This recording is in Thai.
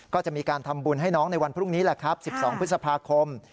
ก็จะมีการทำบุญให้น้องในวันพรุ่งนี้แหละครับ๑๒พฤษภาคม